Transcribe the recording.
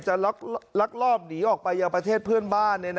ลักลอบหนีออกไปยังประเทศเพื่อนบ้าน